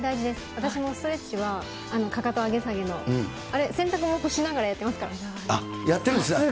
私もストレッチは、かかと上げ下げの、あれ、洗濯物干しながらややってるんですね。